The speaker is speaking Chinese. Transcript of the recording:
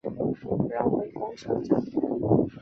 绕回公车站